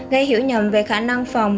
gây hiểu nhầm về khả năng phòng